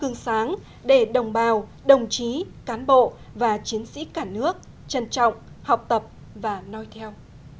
gương sáng để đồng bào đồng chí cán bộ và chiến sĩ cả nước trân trọng học tập và nói theo